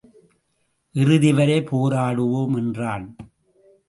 இறுதிவரை போராடுவோம் என்றான்.